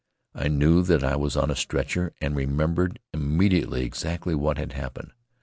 I knew that I was on a stretcher and remembered immediately exactly what had happened.